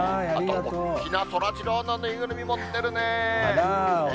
大きなそらジローの縫いぐるみ持ってるね。